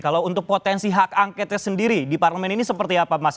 kalau untuk potensi hak angketnya sendiri di parlemen ini seperti apa mas